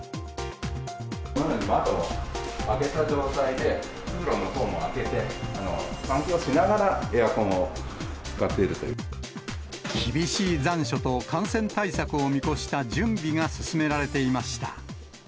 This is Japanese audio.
このように窓を開けた状態で、通路のほうも開けて、換気をしながら、エアコンを使っているとい厳しい残暑と感染対策を見越した準備が進められていました。